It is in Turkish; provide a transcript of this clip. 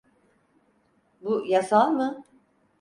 Bu yasal mı?